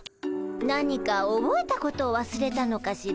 何かおぼえたことをわすれたのかしら？